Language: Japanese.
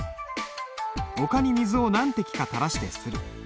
陸に水を何滴かたらしてする。